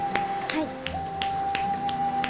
はい。